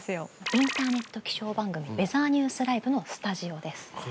インターネット気象番組、ウェザーニュースライブのスタジオです。